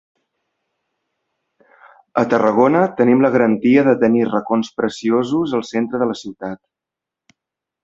A Tarragona tenim la garantia de tenir racons preciosos al centre de la ciutat.